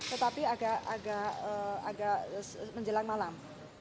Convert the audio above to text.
tetapi agak menjelang malam